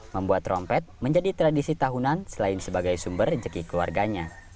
membuat trompet menjadi tradisi tahunan selain sebagai sumber rejeki keluarganya